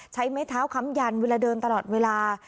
ใช้ไม้เท้าค้ำยันเวลาเดินตลอดเวลา